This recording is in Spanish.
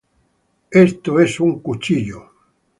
This Is a Knife!